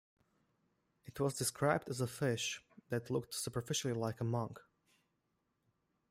It was described as a "fish" that looked superficially like a monk.